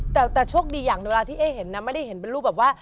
แต่โชคดีอย่างหนึ่งเวลาที่เอ๊เห็นนะไม่ได้เห็นเป็นรูปแบบว่า